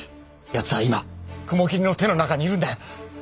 奴は今雲霧の手の中にいるんだよ！